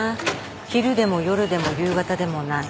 昼でも夜でも夕方でもない。